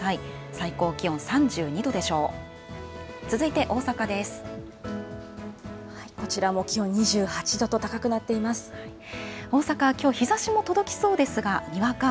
最高気温、３２度でしょう。